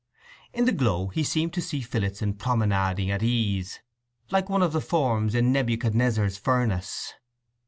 In the glow he seemed to see Phillotson promenading at ease, like one of the forms in Nebuchadnezzar's furnace.